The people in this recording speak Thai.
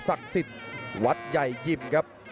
ศักดิ์สิทธิ์วัดใหญ่ยิมครับ